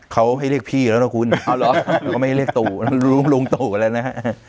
เขาให้เล็กพี่แล้วนะคุณเอาเหรอแล้วก็ไม่ให้เล็กตูฤงตู่แหละนะครับ